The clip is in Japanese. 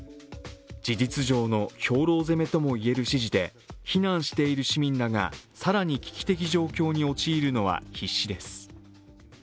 事実上の兵糧攻めともいえる指示で更に危機的状況に陥るのは必至です。